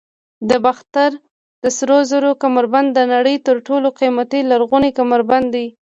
د باختر د سرو زرو کمربند د نړۍ تر ټولو قیمتي لرغونی کمربند دی